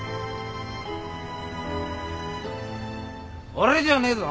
俺じゃねえぞ。